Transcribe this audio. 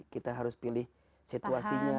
kita harus pilih situasinya